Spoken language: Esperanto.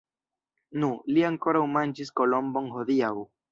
Nu! li ankoraŭ manĝis kolombon hodiaŭ.